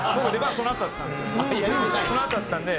そのあとだったんですよ。